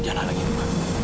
jangan lagi pergi rumah